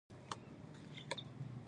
د همدغه نامور عالم نامه ته منسوبه ده.